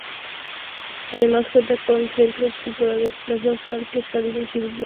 Además cuenta con centros culturales, plaza, parques, jardines y biblioteca.